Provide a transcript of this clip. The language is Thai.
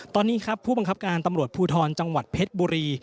ตอนนี้ครับผู้บังคับการตำรวจภูทรจังหวัดเพชรบุรี